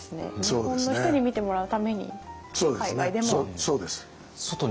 日本の人に見てもらうために海外でも。